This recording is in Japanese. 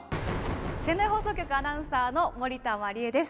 仙台放送局アナウンサーの森田茉里恵です。